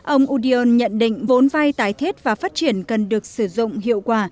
ông udion nhận định vốn vay tái thiết và phát triển cần được sử dụng hiệu quả